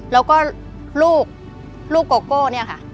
แล้วก็ลูกลูกโกโก้เนี่ยค่ะ